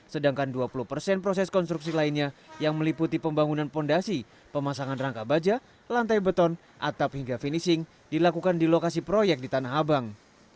sedangkan dua puluh persen proses konstruksi lainnya yang meliputi pembangunan fondasi pemasangan rangka baja lantai beton atap hingga finishing dilakukan di lokasi proyek di tanah abang